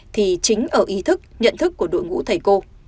thì chính ở ý thức nhận thức của đội ngũ thầy cô